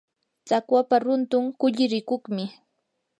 tsakwapa runtun kulli rikuqmi.